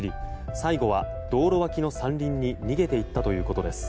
最後は道路脇の山林に逃げていったということです。